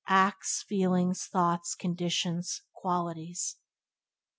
Acts, feelings, thoughts, conditions, qualities."